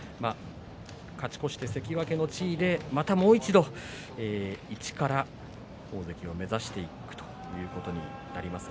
勝ち越して関脇の地位でまたもう一度一から大関を目指していくということになります。